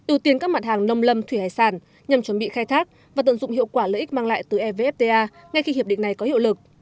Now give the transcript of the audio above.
ưu tiên các mặt hàng nông lâm thủy hải sản nhằm chuẩn bị khai thác và tận dụng hiệu quả lợi ích mang lại từ evfta ngay khi hiệp định này có hiệu lực